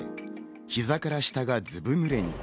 膝から下がずぶ濡れに。